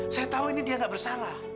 saya tahu ini dia tidak bersalah